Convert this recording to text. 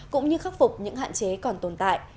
cũng như khắc phục những hạn chế còn tồn tại